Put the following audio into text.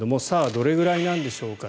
どれぐらいなんでしょうか。